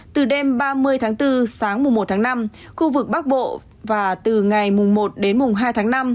từ đêm ba mươi tháng bốn sáng mùa một tháng năm khu vực bắc bộ và từ ngày mùng một đến mùng hai tháng năm